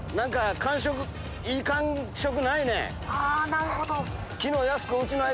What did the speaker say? なるほど。